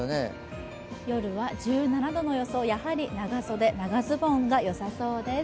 夜は１７度の予想、やはり長袖長ズボンが良さそうです。